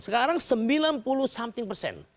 sekarang sembilan puluh something persen